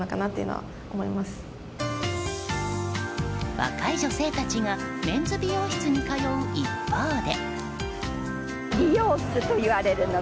若い女性たちがメンズ美容室に通う一方で。